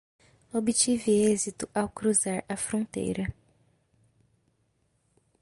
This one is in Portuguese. Obtive êxito ao cruzar a fronteira